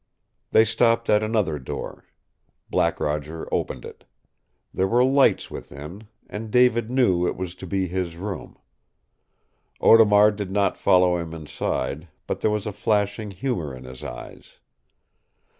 They stopped at another door. Black Roger opened it. There were lights within, and David knew it was to be his room. Audemard did not follow him inside, but there was a flashing humor in his eyes.